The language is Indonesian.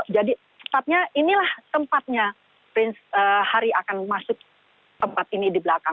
jadi inilah tempatnya prince harry akan masuk ke tempat ini